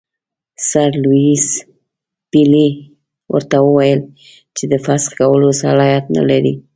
سر لیویس پیلي ورته وویل چې د فسخ کولو صلاحیت نه لري.